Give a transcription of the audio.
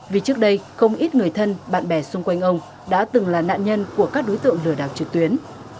vì trước đây không ít người thân bạn bè xung quanh ông đã từng là nạn nhân của các đối tượng lừa đảo trực tuyến